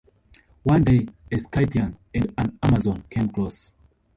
One day a Scythian and an Amazon came close.